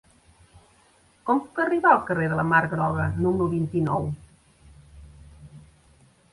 Com puc arribar al carrer de la Mar Groga número vint-i-nou?